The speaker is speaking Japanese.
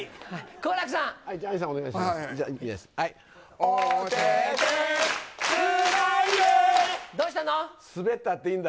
好楽さん。